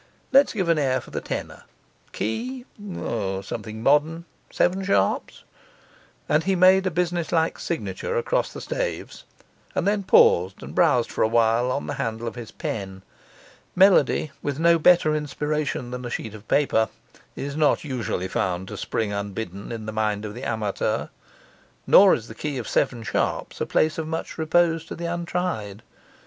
Let's give an air for the tenor: key O, something modern! seven sharps.' And he made a businesslike signature across the staves, and then paused and browsed for a while on the handle of his pen. Melody, with no better inspiration than a sheet of paper, is not usually found to spring unbidden in the mind of the amateur; nor is the key of seven sharps a place of much repose to the untried.